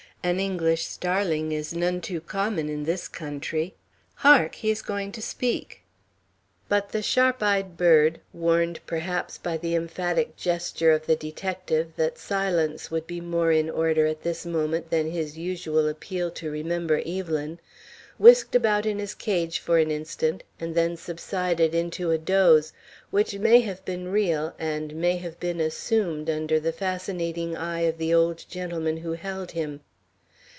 "An English starling is none too common in this country. Hark! he is going to speak." But the sharp eyed bird, warned perhaps by the emphatic gesture of the detective that silence would be more in order at this moment than his usual appeal to "remember Evelyn," whisked about in his cage for an instant, and then subsided into a doze, which may have been real, and may have been assumed under the fascinating eye of the old gentleman who held him.